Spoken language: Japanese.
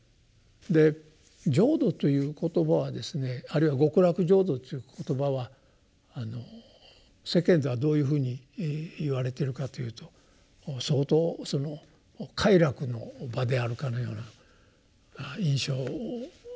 で浄土という言葉はですねあるいは極楽浄土という言葉は世間ではどういうふうに言われてるかというと相当その快楽の場であるかのような印象が流れておりますけど。